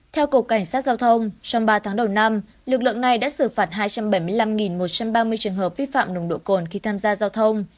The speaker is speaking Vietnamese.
theo cục cảnh sát giao thông trong ba tháng đầu năm lực lượng này đã xử phạt hai trăm bảy mươi năm một trăm ba mươi trường hợp vi phạm nồng độ cồn khi tham gia giao thông